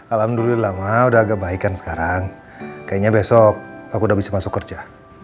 alhamdulillah mah udah agak baik kan sekarang kayaknya besok aku udah bisa masuk kerja